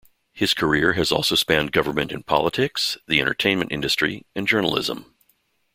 His career has also spanned government and politics, the entertainment industry and journalism.